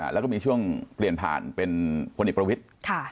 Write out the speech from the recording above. แล้วก็มีช่วงเปลี่ยนผ่านเป็นพลเอกประวิทธิ์